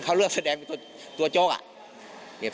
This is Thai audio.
เขาเลือกแสดงเป็นตัวโจ๊กอ่ะ